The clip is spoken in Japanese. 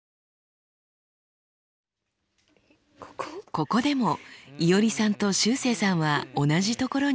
ここでもいおりさんとしゅうせいさんは同じところに反応しました。